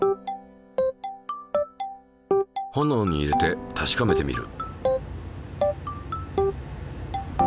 炎に入れて確かめてみる。